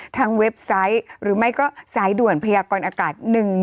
เว็บไซต์หรือไม่ก็สายด่วนพยากรอากาศ๑๑